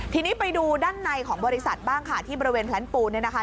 ทีนี้ไปดูด้านในของบริษัทบ้างค่ะที่บริเวณแพลนปูนเนี่ยนะคะ